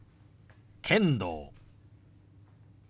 「剣道」。